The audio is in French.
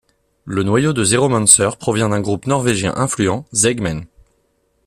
Le noyau de Zeromancer provient d'un groupe norvégien influent, Seigmen.